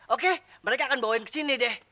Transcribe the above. oke mereka akan bawain kesini deh